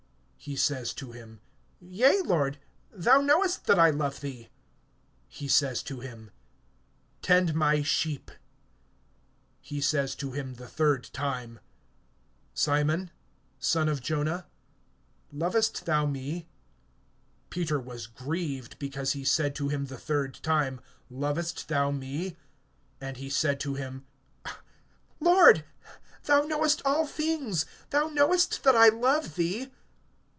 He says to him: Yea, Lord; thou knowest that I love thee. He says to him: Tend my sheep. (17)He says to him the third time: Simon, son of Jonah, lovest thou me? Peter was grieved because he said to him the third time, Lovest thou me? And he said to him: Lord, thou knowest all things; thou knowest that I love thee.